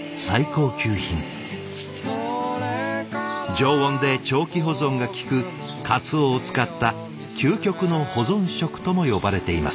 常温で長期保存が効く鰹を使った究極の保存食とも呼ばれています。